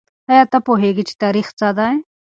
آیا ته پوهېږې چې تاریخ څه دی؟